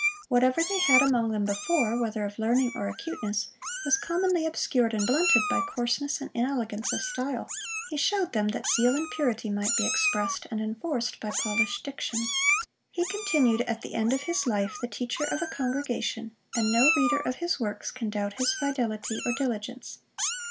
Whatever they had among them before, whether of learning or acuteness, was commonly obscured and blunted by coarseness and inelegance of style. He shewed them, that zeal and purity might be expressed and enforced by polished diction. He continued to the end of his life the teacher of a congregation, and no reader of his works can doubt his fidelity or diligence.